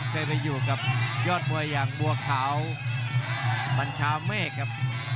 เคยไปอยู่กับยอดมวยอย่างบัวขาวบัญชาเมฆครับ